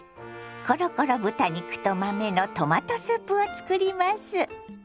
コロコロ豚肉と豆のトマトスープを作ります。